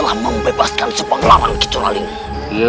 rai melihat supang lalang kacau dari geung itu